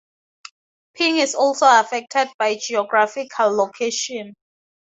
Ping is also affected by geographical location.